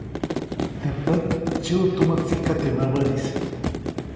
Teʼ pät dsyiʼu tumä tsikaʼ, teʼ mäbäʼnis.